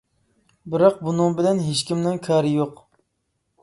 بىراق بۇنىڭ بىلەن ھېچكىمنىڭ كارى يوق.